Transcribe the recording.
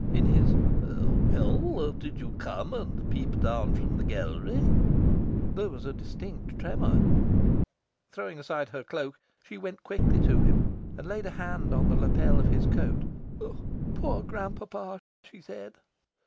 In his "Well, did you come and peep down from the gallery?" there was a distinct tremour. Throwing aside her cloak, she went quickly to him, and laid a hand on the lapel of his coat. "Poor grand papa!" she said.